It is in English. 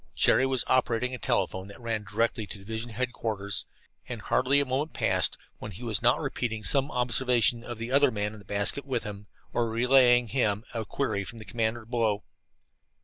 Jerry was operating a telephone that ran directly to division headquarters, and hardly a moment passed when he was not repeating some observation of the other man in the basket with him, or relaying to him a query from the commander below.